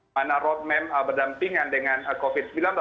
mana roadmap berdampingan dengan covid sembilan belas